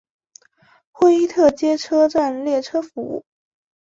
霍伊特街车站列车服务。